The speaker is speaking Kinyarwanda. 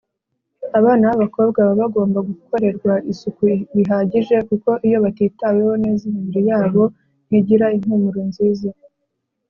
Abana babakobwa baba bagomba gukorerwa isuku bihagije kuko iyo batitaweho neza imibiri yabo ntigira impumuro nziza.